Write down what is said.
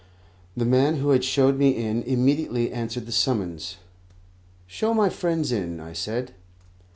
The man who had showed me in immediately answered the summons. "Show my friends in," I said.